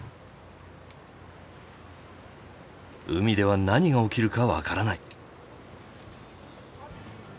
海では何が起きるか分からない。